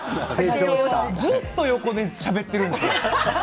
ちょっと横でしゃべっているんですよ。